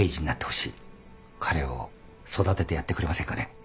彼を育ててやってくれませんかね。